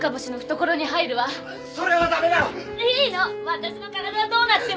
私の体はどうなっても。